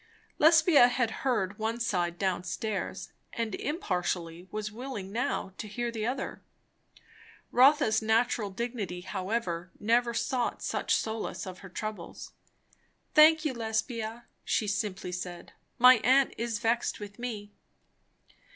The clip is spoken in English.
Lesbia had heard one side down stairs, and impartially was willing now to hear the other. Rotha's natural dignity however never sought such solace of her troubles. "Thank you, Lesbia," she simply said. "My aunt is vexed with me."